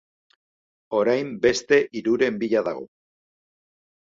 Orain beste hiruren bila dago.